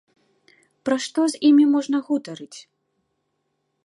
Пра што з імі можна гутарыць?